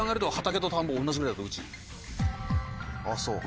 あっそう？